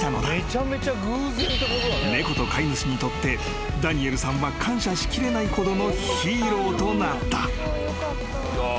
［猫と飼い主にとってダニエルさんは感謝しきれないほどのヒーローとなった］